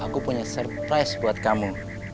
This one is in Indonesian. aku punya surprise buat kamu